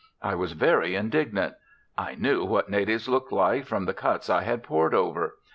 I was very indignant. I knew what natives looked like from the cuts I had pored over.